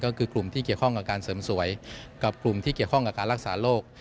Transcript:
ก็คือกลุ่มที่เกี่ยวข้องกับการเสริมสวยกับกลุ่มที่เกี่ยวข้องกับการรักษาโรค